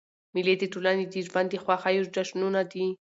مېلې د ټولني د ژوند د خوښیو جشنونه دي.